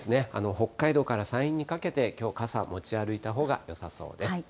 北海道から山陰にかけて、きょう、傘持ち歩いたほうがよさそうです。